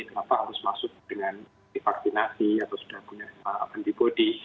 kenapa harus masuk dengan divaksinasi atau sudah punya antibody